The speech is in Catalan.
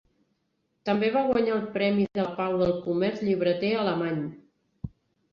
També va guanyar el Premi de la Pau del Comerç Llibreter Alemany.